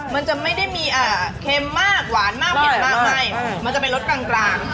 มันจะไม่ได้มีเค็มมากหวานมากเผ็ดมากไม่มันจะเป็นรสกลาง